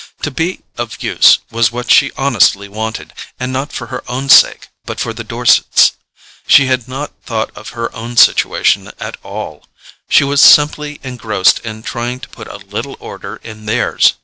To be of use was what she honestly wanted; and not for her own sake but for the Dorsets'. She had not thought of her own situation at all: she was simply engrossed in trying to put a little order in theirs.